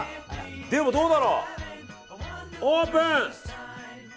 でもどうだろう、オープン！